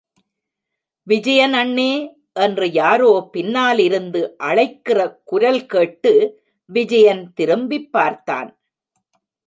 விஜயன் அண்ணே. என்று யாரோ பின்னால் இருந்து அழைக்கிற குரல்கேட்டு விஜயன் திருப்பிப் பார்த்தான்.